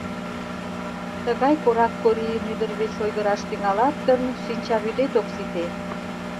Тыгай корак Корийын ӱдыр верч ойгыраш тӱҥалат гын, шинчавӱдет ок сите...